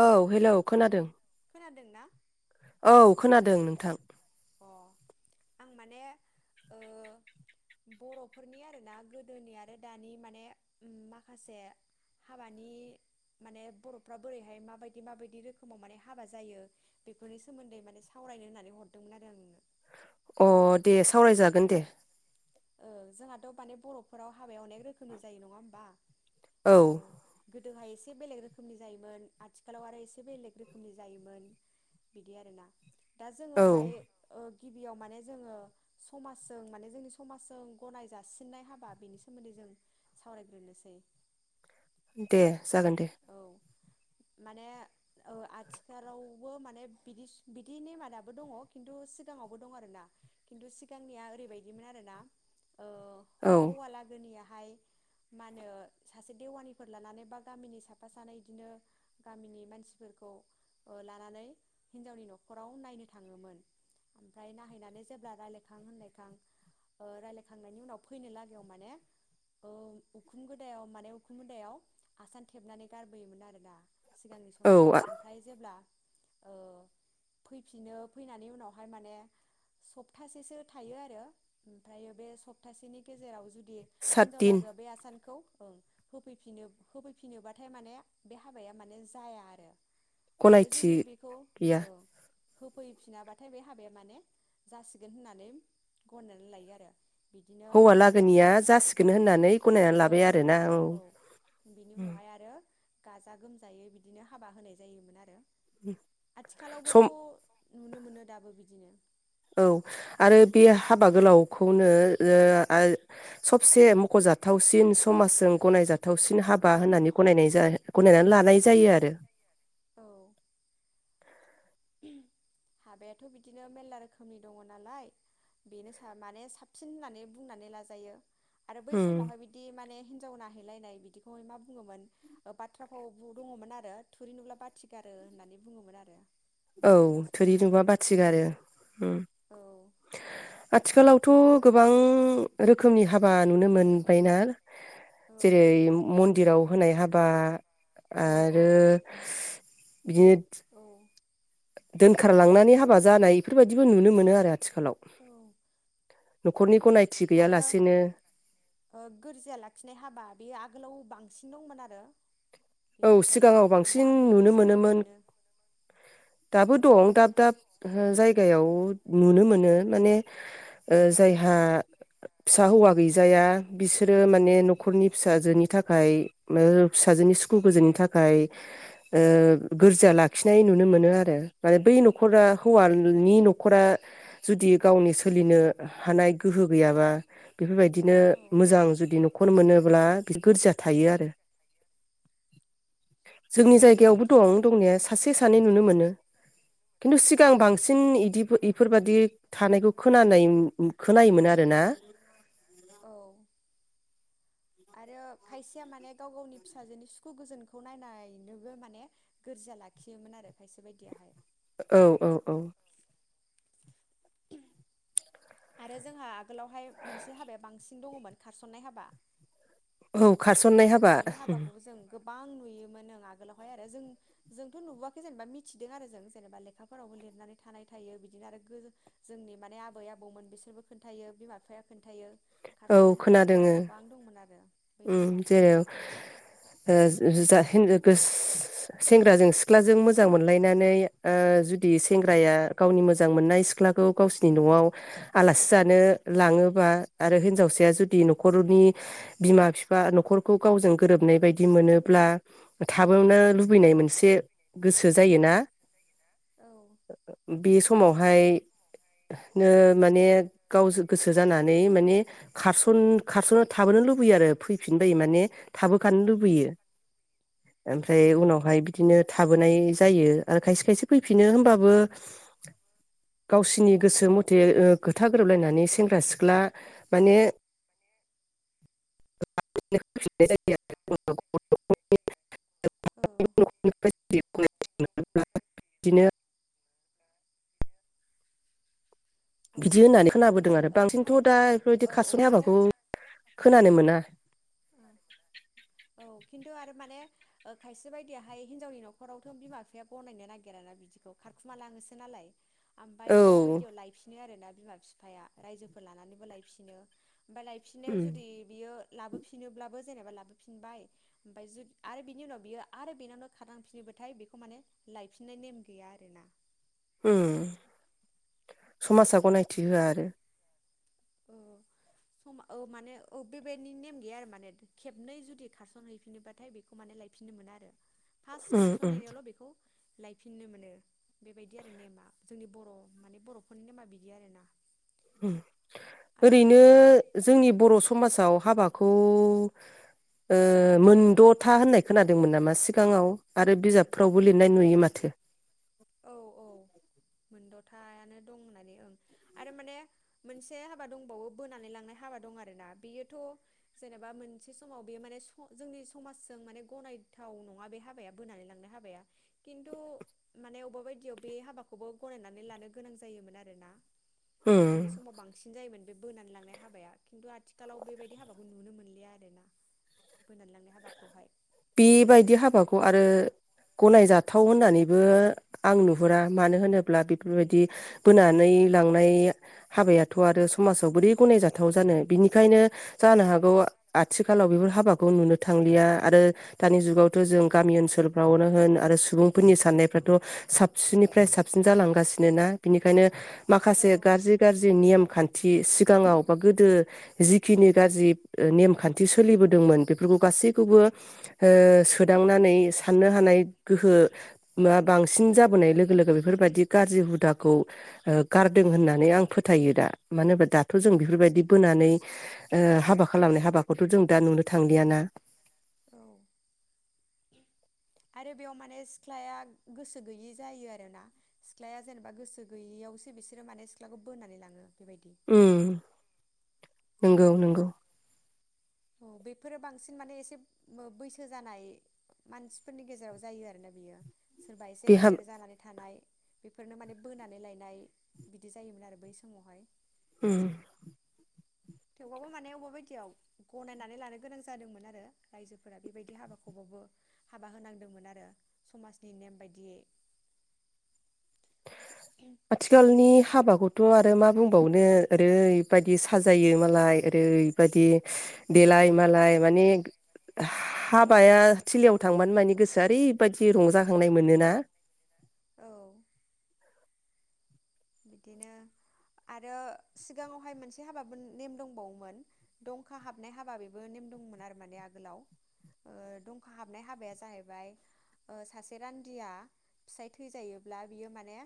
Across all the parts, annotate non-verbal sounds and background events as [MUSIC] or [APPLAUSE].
औ हेलौ खोनादों खोनादोंना औ खोनादों नोंथां अ आं माने बर'फोरनि आरोना गोदोनि आरो दानि माने माखासे हाबानि माने बर'फ्रा बोरैहाय माबायदि माबायदि रोखोमाव माने हाबा जायो बेफोरनि सोमोन्दै माने सावरायनो होननानै हरदों मोन आरो आंङो अ दे सावरायजागोन दे ओ जोंहाथ' माने बर'फोराव हाबाया अनेक रोखोमनि जायो नङा होमबा? औ गोदोहाया एसे बेलेग रोखोमनि जायोमोन आथिखालाव आरो एसे बेलेग रोखोमनि जायोमोन बिदि आरोना दा औ जोङोहाय ओ गिबियाव माने जोङो समाजजों माने जोंनि समाजजों गनाय जासिननाय हाबा बेनि सोमोन्दै जों सावरायग्रोनोसै दे जागोन दे। औ माने आथिखालावबो माने बिदि बिदि नेमादाबो दङ खिन्थु सिगाङावबो दङ आरोना खिन्थु सिगांनिया ओरैबायदिमोन आरो ना। औ हौवालागोनिया मा होन सासे देवानिफोर लानानै बा गामिनि स साफा सानै बिदिनो गामिनि मानसिफोरखौ लानानै हिनजावनि न'खराव नायनो थाङोमोन ओमफ्राय नायहैनानै जेब्ला रायलायखां होनलायखां ओ रायजलायखांनायनि उनाव फैनो लागायाव माने उखुम गोदायाव माने उखुम गोदायाव आसान खेबनानै गारबोयोमोन आरो ना। सिगांनि समाव औ ओमफ्राय जेब्ला ओ फैफिनो फैनानै उनावहाय माने सप्तासेसो थायो आरो ओमफ्राय बे सप्तासेनि गेजेराव जुदि सात दिन हिनजावलागोआ बे आसानखौ ओं होफैफिनो होफै फैफिनोबाथाय माने बे हाबाया माने जाया आरो आरो गनायथि जुदि बेखौ गैया ओ होफैफिनाबाथाय बे हाबाया माने जासिगोन होननानै गननानै लायो आरो। बिदिनो हौवा लागोनिया उनावहाय जासिगोन होननानै गनायनानै औ लाबाय आरोना औ बिनि उनावहाय आरो गाजा गोमजायै बिदिनो हाबा होनाय जायोमोन आरो। सम आथिखालावबोथ नुनो मोनो दाबो बिदिनो। औ आरो बे हाबा गोलावखौनो ओ ए सबसे मख'जाथावसिन समाजजों गनायजाथाव थावसिन हाबा औ होननानै गनायनाय जायो। गनायनानै लानाय जायो आरो औ हाबायाथ बिदिनो मेरला रोखोमनि दङ नालाय बेनो माने साबसिन होननानै बुंनानै लाजायो। आरो बै उम समावहाय बिदि माने हिनजाव नायहैलायनाय बिदिखौहाय मा बुङोमोन बाथ्राफ्राव दङमोन आरो थुरि नुब्ला बाथि गारो होननानै बुङोमोन आरो औ बै थोरि समावहाय नुबा बाथिगारो उम। औ थ ओमफ्राय गोबां रोखोमनि हाब हा नुनो मोनबायना औ जेरै मन्दिराव होनाय हाबा औ औ आरो बिदिनो थ दोनखार लांनानै हाबा जानाय बेफोरबायदिबो नुनो मोनो आरो। आथिखालाव औ न'खरनि गनायथि आरो गैयालासेनो ओ गोरजिया लाखिनाय हाबा बे आगोलाव बां सिन दंमोन आरो बे औ ओमफ्राय सिगाङाव बांसिन दाबो नुनो एसे मोनोमोन मोनो दाबो औ दं दाब दाब ओ जाय गायाव नुनो मोनो माने ओ जायहा फिसा हौवा गैजाया बिसोरो माने न'खरनि फिसाजोनि थाखाय ओ फिसाजोनि सुखु गोजोननि थाखाय ओ गोरजिया लाखिनाय नुनो मोनो आरो माने बै न'खरा हौवानि न'खरा जुदि गावनि सोलिनो हानाय गोहो गैयाबा बेफोरबायदिनो औ मोजां जुदि नख [UNINTELLIGIBLE] मोनोब्ला बि गोरजिया थायो आरो जोंनि उम जायगायावबो दं बिदिनो दंनाया उम सासे सानै नुनो मोनो खिन्थु सिगां बांसिन इदि इफोरबादि थानायखौ खोनानाय खोनायोमोन आरो ना औ आरो खायसेया माने गाव गावनि फिसाजोनि सुखु गोजोनखौ नायनायनोबो माने गोरजिया लाखियोमोन आरो खायसे बायदियाहाय। औ औ औ आरो जोंहा आगोलावहाय मोनसे हाबाया बांसिन दङमोन खारसननाय हाबा औ खारसननाय हाबा बां नुयोमोननो आगोलावहाय आरो जों जोंथ' नुबोआखै जेनेबा मिथिदों आरो जों जेनेबा लेखाफोरावबो लिरनानै थानाय थायो बिदिनो आरो गो जोंनि माने आबै आबौमोन बिसोरबो खोन्थायो बिमा बिफाया खोन्थायो औ खारस'नाय हाबाफोरा खोनादोङो गोबां दंमोन आरो बै उम समाव [UNINTELLIGIBLE] ओ [UNINTELLIGIBLE] सेंग्राजों सिख्लाजों मोजां मोनलायनानै ओ जुद दि उम सेंग्राया गावनि मोजां मोजां मोननाय सिख्लाखौ गावसिनि न'आव आलासि जानो लाङोबा आरो हिनजावसाया जुदि न'खरनि बिमा बिफा न'खरखौ गावजों गोरोबनाय बायदि मोनोब्ला थाबोवनो लुबैनाय मोनसे गोसो जायोना न'आव औ ओ ओ बे समाव हाय नो माने गाव गोसो जानानै माने खारसन खारसन थाबोनो फैयो आरो फैफिन्नो बायो माने थाबोखानो लुबैयो औ ओमफ्राय उनावहाय बिदिनो था बोनाय जायो आरो खायसे खायसे फैफिनो होमबाबो गावसिनि गोसो मथे ओ खोथा गोरोबलायनानै सेंग्रा सिख्ला माने [UNINTELLIGIBLE] [UNINTELLIGIBLE] औ [UNINTELLIGIBLE] बिदिनो औ बिदि होननानै खिन्थु खोनाबोदों आरो ओ बांसिनथ' खाय दा बेफोरबायदि औ खारस'नाय आरो हाबाखौ खोनानो मोना औ खिन्थु आरो माने ओ खायसे बायदियाहाय हिनजावनि न'खरावथ' बिमा बिफाया गनायनो नागिराना बिदिखौ खारखुमालाङोसो नालाय ओमफाय अबेबेबा औ बायदियाव लायफिनो आरोना बिमा बिफाया रायजोफोर लानानैबो लायफिनो ओमफाय लायफिननायाव उम जुदि बियो लाबो फिनोब्लाबो जेनेबा लाबोफिनबाय ओमफाय जु आरो बिनि उनाव बियो आरो बेनावनो खारांफिनोबोथाय बेखौ माने लायफिननाय नेम गैया आरोना। उम समाजा गनायथि होआ आरो औ सम औ माने औ बेबायदि नेम गैया आरो माने खेबनै जुदि खारसन हैैफिनोबाथाय बेखौ माने लायफिननो मोना आरो फास उम खारसन उम हैनाय आवल' बेखौ लायफिननो मोनो बेबायदि आरो नेमा जोंनि बर' माने बर'फोरनि नेमा बिदि आरोना उम आरो ओरैनो जोंनि बर' स समाजाव हाबाखौ ओ मोनद'था होननाय खोनादोंमोन नामा सिगाङाव आरो बिजाबफ्रावबो लिरनाय नुयो माथो थायानो दं होननानै ओं आरो माने मोनसे हाबा दंबावो बोनानै लांनाय हाबा दं आरोना बेयोथ' जेनेबा मोनसे समाव बेयो माने जोंनि समाजजों माने गनायथाव नङा बे हाबाया बोनानै लांनाय हाबाया खिन्थु माने अबेबा बायदियाव बे हाबाखौबो गनायनानै लानो गोनां जायोमोन आरोना। उम आगोलनि समाव बांसिन जायोमोन बे बोनानै लांनाय हाबाया खिन्थु आथिखालाव बेबायदि हाबाखौ नुनो मोनलिया आरोना बोनानै लांनाय हाबाखौहाय। बिबायदि हाबाखौ आरो गनायजाथाव होननानैबो आं नुहुरा मानो होनोब्ला बेफोरबायदि बोनानै लांनाय हाबायाथ' आरो समाजाव बोरै गनायजाथाव जानो बिनिखायनो जानो हागौ आथिखालाव बेफोर हाबाखौ नुनो थांलिया आरो दानि जुगावथ' जों गामि ओनसोलफ्रावनो होन आरो सुबुंफोरनि साननायफ्राथ' साबसिननिफ्राय साबसिन जालांगासिनो ना बिनिखायनो माखासे औ गाज्रि गाज्रि नेयम खान्थि सिगाङाव बा गोदो जिखिनि गाज्रि ओ नेमखान्थि सोलिबोदोंमोन बेफोरखौ गासैखौबो हो सोदांनानै साननो हानाय गोहो मा बांसिन जाबोनाय लो लोगो लोगो बेफोरबायदि गाज्रि हुदाखौ ओ गारदों होननानै आं फोथायो दा मानो होनोबा दाथ' जों उम बेफोरबायदि बोनानै ओ हाबा खालामनाय हाबाखौथ' जों दा नुनो थांलिया ना औ आरो बेयाव माने सिख्लाया गोसो गैयि जायो आरोना सिख्लाया जेनेबा गोसो गैयिआवसो बिसोरो माने सिख्लाखौ बोनानै लाङो। बेबायदि उम नोंगौ नोंगौ औ बेफोरो बांसिन माने एसे बैसो जानाय मानसिफोरनि गेजेराव जायो आरोना बियो सोरबा बे एसे हाब गेदेर जानानै थानाय बेफोरनो माने बोनानै लायनाय बिदि जायोमोन आरो बै समावहाय। उम थेवबाबबो माने अबेबा बायदियाव गनायनानै लानो गोनां जादोंमोन आरो रायजोफोरा बेबायदि हाबाखौबाबो हाबा होनांदोंमोन आरो समाजनि नेम बायदियै आथिखालनि हाबाखौथ' आरो मा बुंबावनो ओरैबायदि साजायो मालाय ओरैबायदि देलाय मालाय माने हाबाया थिलियाव थांबानो माने गोसोआ ओरैबायदि रंजाखांनाय मोनोना औ बिदिनो आरो सिगाङावहाय मोनसे हाबाबो नेम दंबावोमोन दंखा हाबनाय हाबा बेबो नेम दंमोन आरो माने आगोलाव ओ दंखा हाबनाय हाबाया जाहैबाय ओ सासे रान्दिया फिसाय थैजायोब्ला बियो माने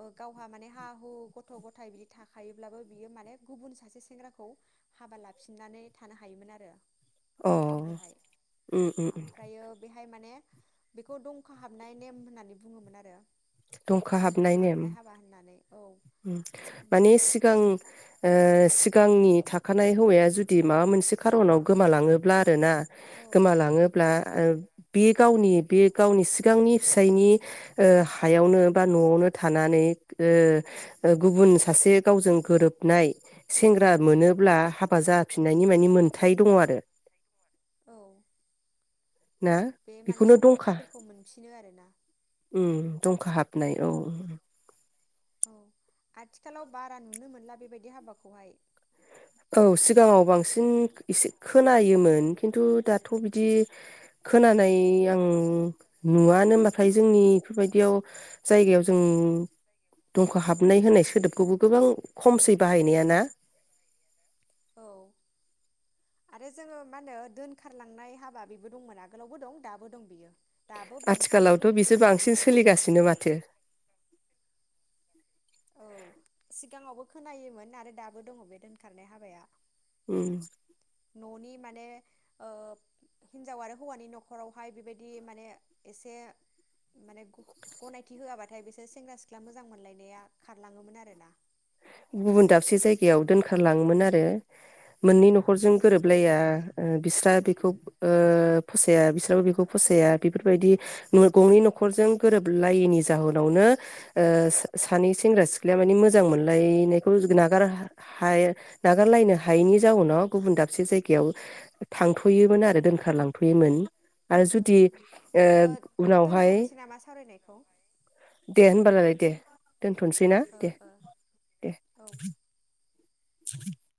ओ गाव हा माने हा हु गथ' गथाय बिदि थाखायोब्लाबो बियो माने गुबुन सासे सेंग्राखौ हाबा लाफिननानै थानो हायोमोन आरो। अ गोदोहाय उम उम उम आमफ्रायो बेहाय माने बेखौ दंखा हाबनाय नेम होननानै बुङोमोन आरो दंखा हाबनाय नेम। हाबा होननानै औ उम माने सिगां ओ सिगांनि थाखानाय हौवा मा जुदि माबा मोनसे खारनाव गोमालाङो ब्ला आरोना गोमालाङोब्ला ओ बे गावनि बे गावनि सिगांनि फिसायनि ओ हायावनो बा न'आवनो थानानै ओ गुबुन सासे गावजों गोरोबनाय सेंग्रा मोनोब्ला हाबा जाफिननायनि माने मोनथाय दङ आरो औ ना बे माने बेखौनो दंखा सम्फथिफोखौ मोनफिनो आरोना खाहाबनाय औ औ आथिखालाव बारा नुनो मोनला बेबायदि हाबाखौहाय औ सिगाङाव बांसिन एसे खोनायोमोन खिन्थु दाथ' बिदि खोनानाय आं नुवानोनामाथाय जोंनि बेफोरबायदियाव जायगायाव जों दंख' हाबनाय होनाय सोदोबखौबो गोबां खमसै बाहायनाया ना औ आरो जोङो मा होनो दोनखारलांनाय हाबा बेबो दंमोन आगोलावबो दं दाबो दं बियो दाबो बांसिनसो दं आथिखालावथ' बे बिसोर दोनखारनाय बांसिन हाबायाथ' सोलिगासिनो माथो औ सिगाङावबो खोनायोमोन आरो दाबो दङ बे दोनखारनाय हाबाया उम न'नि माने ओ हिन्जाव आरो हौवानि न'खरावहाय बेबायदि माने एसे माने गनायथि होआबाथाय बिसोर सेंग्रा सिख्ला मोजां मोनलायनाया खारलाङोमोन आरोना गुबुन दाबसे जायगायाव दोनखारलाङोमोन आरो मोननै न'ख खरजों औ गोरोबलाया‌ ओ बिस्रा बेखौ ओ फसाया बिस्राबो बेखौ फसाया बेफोरबायदि गंनि न'खरजों गोरोबलायैनि जाहोनावनो ओ सानै सेंग्रा सिख्लाया मानि मोजां मोन लायनायखौ जुदि नागार हा नागारलायनो हायैनि जाउनाव गुबुन दाबसे जायगायाव थांथ'योमोन आरो दोनखारलांथ'योमोन आरो जुदि ओ उनावहाय दोनथ'नोसै नामा सावरायनायखौ दे [UNINTELLIGIBLE] दोनथ'नसै ना ओ दे ओ दे औ [UNINTELLIGIBLE]